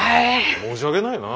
申し訳ないなぁ。